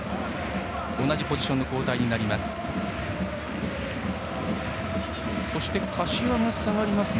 同じポジションの交代になります。